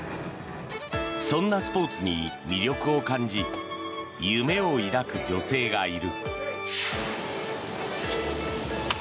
そんなスポーツに魅力を感じ夢を抱く女性がいる。